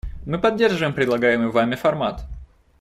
Мы поддерживаем предлагаемый Вами формат.